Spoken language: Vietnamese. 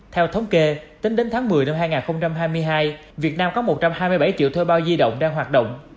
theo thống kê tính đến tháng một mươi năm hai nghìn hai mươi hai việt nam có một trăm hai mươi bảy triệu thuê bao di động đang hoạt động